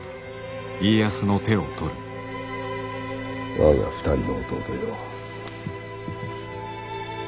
我が２人の弟よ。